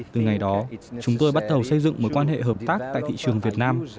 từ ngày đó chúng tôi bắt đầu xây dựng mối quan hệ hợp tác tại thị trường việt nam